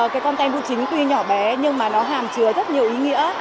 cái con tem biêu chính tuy nhỏ bé nhưng mà nó hàm chứa rất nhiều ý nghĩa